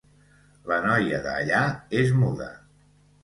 La noia de allà és muda.